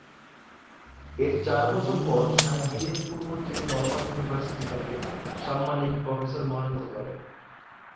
এর চার বছর পর সাংহাইয়ের পূর্ব চীন নরমাল ইউনিভার্সিটি তাঁকে সাম্মানিক প্রফেসর মনোনীত করে।